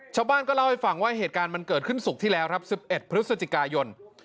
ชาวบ้านก็เล่าให้ฟังว่าเหตุการณ์มันเกิดขึ้นศุกร์ที่แล้วครับ๑๑พฤศจิกายน